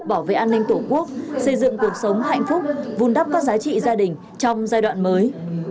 bảo vệ an ninh tổ quốc xây dựng cuộc sống hạnh phúc vun đắp các giá trị gia đình trong giai đoạn mới